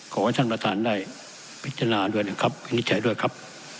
ขอให้ท่านประธานได้พิจารณาด้วยนะครับวินิจฉัยด้วยครับ